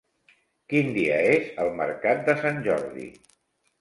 Quin dia és el mercat de Sant Jordi?